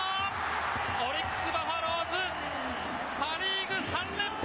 オリックスバファローズ、パ・リーグ３連覇！